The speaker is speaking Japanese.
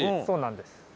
そうなんです。